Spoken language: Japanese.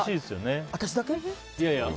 私だけ？